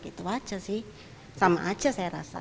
gitu aja sih sama aja saya rasa